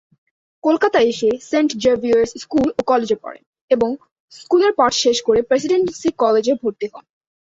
কলকাতা এসে Saint Xavier's school ও কলেজে পড়েন এবং স্কুলের পাঠ শেষ করে প্রেসিডেন্সি কলেজে ভর্তি হন।